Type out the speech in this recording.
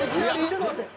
ちょっと待って。